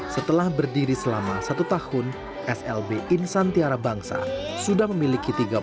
setelah berdiri selama satu tahun slb insantiara bangsa sudah memiliki